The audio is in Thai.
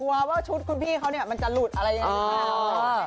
ว่าชุดคุณพี่เขาเนี่ยมันจะหลุดอะไรอย่างนี้หรือเปล่า